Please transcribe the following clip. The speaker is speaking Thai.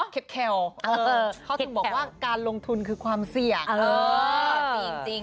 เขียบแควเขาถึงบอกว่าการลงทุนคือความเสี่ยง